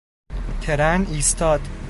ترن ایستاد